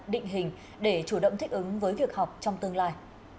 định hình để chủ động thích ứng với việc học trong tương lai